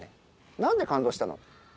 なんで感動したの？